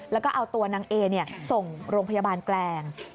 แล้วก็เอาตัวนางเอส่งโรงพยาบาลแกลง